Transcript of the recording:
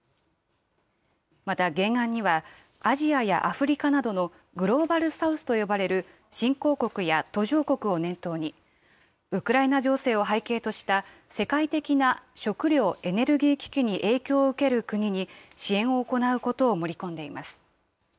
また原案には、アジアやアフリカなどのグローバル・サウスと呼ばれる新興国や途上国を念頭に、ウクライナ情勢を背景とした世界的な食料・エネルギー危機に影響を受ける国に、支援を行うことを盛り込んでいます。